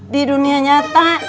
di dunia nyata